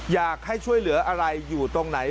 อยากให้ช่วยเหลืออะไรอยู่ตรงไหน